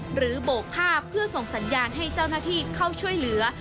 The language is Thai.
โบกภาพเพื่อส่งสัญญาณให้เจ้าหน้าที่เข้าช่วยเหลือ